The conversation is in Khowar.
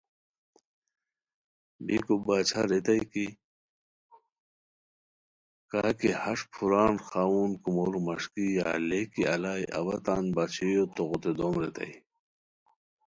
بیکو باچھا ریتائے کاکی ہݰ پھوران خاؤن کومورو مݰکی یا لے کی الائے اوا تان باچھائیو توغوتے دوم ریتائے